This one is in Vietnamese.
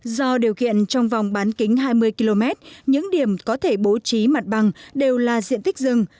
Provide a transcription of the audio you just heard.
do điều kiện trong vòng bán kính hai mươi km những điểm có thể bố trí mặt bằng đều là diện tích rừng